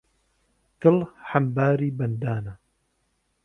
دڵ عەمباری بەندانە